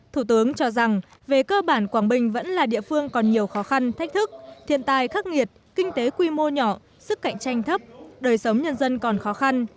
thủ tướng cho rằng về cơ bản quảng bình vẫn là địa phương còn nhiều khó khăn thách thức thiên tai khắc nghiệt kinh tế quy mô nhỏ sức cạnh tranh thấp đời sống nhân dân còn khó khăn